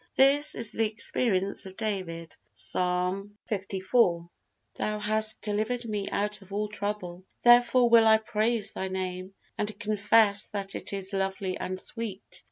This is the experience of David, Psalm liv: "Thou hast delivered me out of all trouble, therefore will I praise Thy Name and confess that it is lovely and sweet."